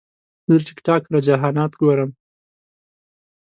زه د ټک ټاک رجحانات ګورم.